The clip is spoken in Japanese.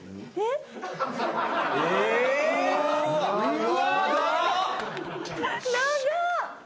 うわ。